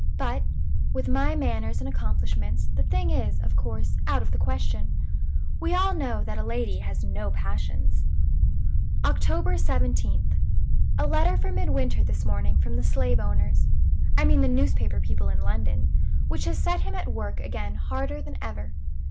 But, with my manners and accomplishments, the thing is, of course, out of the question. We all know that a lady has no passions." "October 17th. A letter for Midwinter this morning from the slave owners I mean the newspaper people in London which has set him at work again harder than ever.